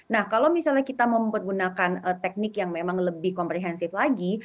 nah kalau misalnya kita mau menggunakan teknik yang memang lebih komprehensif lagi